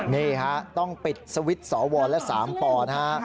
นี่ฮะต้องปิดสวิตช์สวและ๓ปนะฮะ